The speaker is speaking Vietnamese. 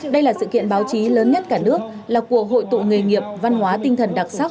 đây là sự kiện báo chí lớn nhất cả nước là cuộc hội tụ nghề nghiệp văn hóa tinh thần đặc sắc